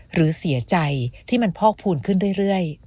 หรือเสียใจที่มันพอกภูมิขึ้นเรื่อย